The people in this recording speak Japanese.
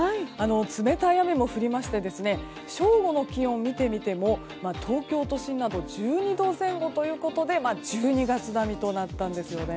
冷たい雨も降りまして正午の気温を見てみても東京都心など１２度前後ということで１２月並みとなったんですね。